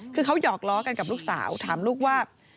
คือเขาหอกล้อกันกับลูกสาวถามลูกว่า